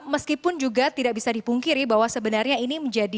meskipun juga tidak bisa dipungkiri bahwa sebenarnya ini menjadi